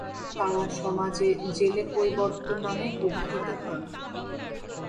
তারা সমাজে জেলে কৈবর্ত নামে অভিহিত হন।